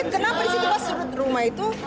kenapa disini pas surut rumah itu